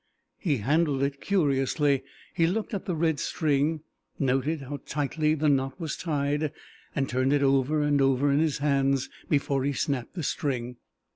He handled it curiously. He looked at the red string, noted how tightly the knot was tied, and turned it over and over in his hands before he snapped the string.